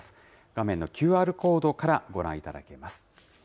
画面のＱＲコードからご覧いただけます。